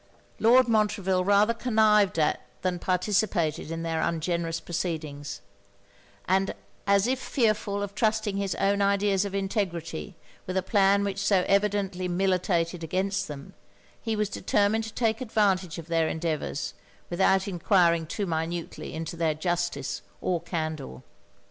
Lord Montreville rather connived at than participated in their ungenerous proceedings; and as if fearful of trusting his own ideas of integrity with a plan which so evidently militated against them, he was determined to take advantage of their endeavours, without enquiring too minutely into their justice or candour.